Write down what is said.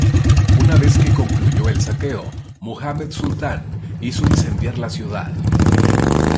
Una vez que concluyó el saqueo, Muhammad Sultan hizo incendiar la ciudad.